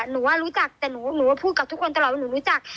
หนูว่ารู้จักแต่หนูก็พูดกับทุกคนตลอดว่าหนูรู้จัก